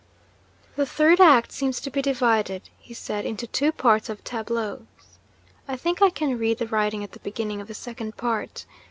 'The Third Act seems to be divided,' he said, 'into two Parts or Tableaux. I think I can read the writing at the beginning of the Second Part.